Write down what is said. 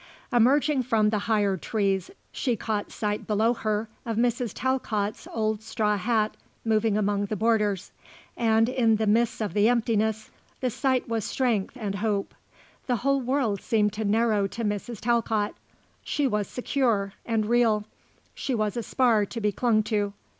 Emerging from the higher trees she caught sight below her of Mrs. Talcott's old straw hat moving among the borders; and, in the midst of the emptiness, the sight was strength and hope. The whole world seemed to narrow to Mrs. Talcott. She was secure and real. She was a spar to be clung to.